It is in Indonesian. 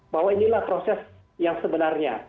bahwa inilah proses yang sebenarnya